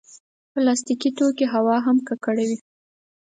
پلاستيکي توکي هوا هم ککړوي.